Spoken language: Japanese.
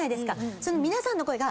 その皆さんの声が。